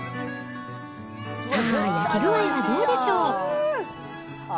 さあ、焼き具合はどうでしょう。